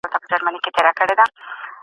ایا زمانه په داستاني تحقیق کي ډېره مهمه ده؟